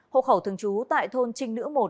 hộ khẩu thường trú tại thôn trinh nữ một